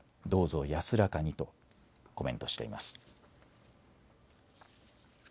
どうぞ安らかにとコメントしています。